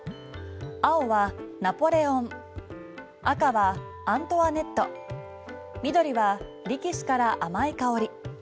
青は、ナポレオン赤は、アントワネット緑は、力士から甘い香り。